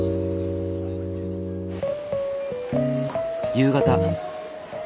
夕方。